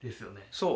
そう。